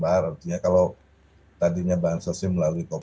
pak menteri artinya kalau tadinya bahan sosnya melalui kopra